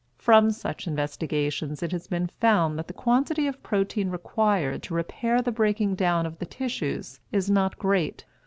From such investigations it has been found that the quantity of protein required to repair the breaking down of the tissues is not great.